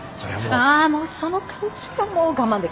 ああもうその感じがもう我慢できない。